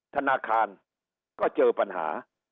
ธนาคารก็เจอปัญหา